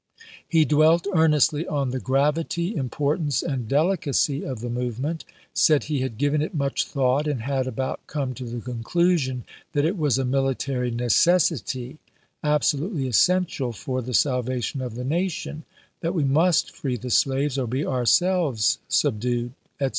He dwelt earnestly on the gra\'ity, importance, and delicacy of the movement ; said he had given it much thought, and had about come to the conclusion that it was a military necessity, abso lutely essential for the salvation of the nation, that we must free the slaves or be ourselves subdued, etc.